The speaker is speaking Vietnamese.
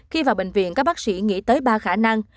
khi vào bệnh viện các bác sĩ nghĩ tới ba khả năng